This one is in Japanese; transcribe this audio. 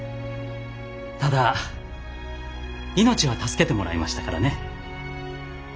ただ命は助けてもらいましたからね。